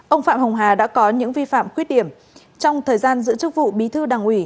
ông phạm hồng hà đã có những vi phạm khuyết điểm trong thời gian giữ chức vụ bí thư đảng ủy